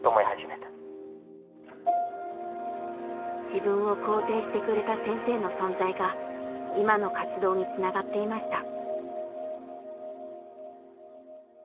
自分を肯定してくれた先生の存在が今の活動につながっていました。